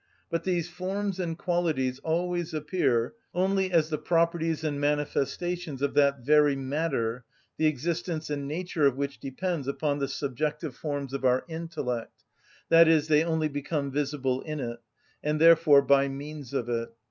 But these forms and qualities always appear only as the properties and manifestations of that very matter the existence and nature of which depends upon the subjective forms of our intellect, i.e., they only become visible in it, and therefore by means of it.